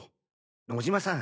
野嶋さん